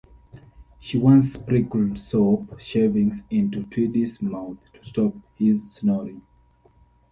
She once sprinkled soap shavings into Tweedie's mouth to stop his snoring.